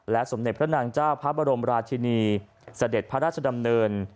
สมเด็จพระนางเจ้าพระบรมราชินีเสด็จพระราชดำเนิน